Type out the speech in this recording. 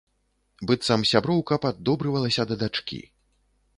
Быццам сяброўка, паддобрывалася да дачкі.